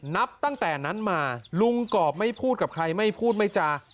นับตั้งแต่นั้นมาลุงกรอบไม่พูดกับใครไม่พูดไม่จา